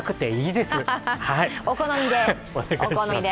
お好みで。